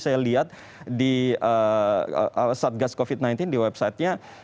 itu tidak salah tadi saya lihat di satgas covid sembilan belas di websitenya